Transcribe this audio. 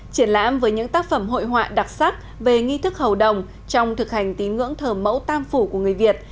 triển lãm với những tác phẩm hội họa đặc sắc về nghi thức hầu đồng trong thực hành tín ngưỡng thờ mẫu tam phủ của người việt